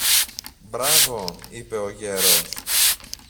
Μπράβο, είπε ο γέρος.